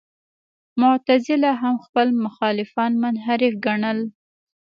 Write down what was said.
معتزله هم خپل مخالفان منحرف ګڼل.